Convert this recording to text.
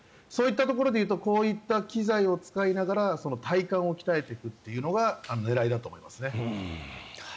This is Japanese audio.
そういったところで言うとこういう機材を使って体幹を鍛えていくというのが狙いだと思いますね。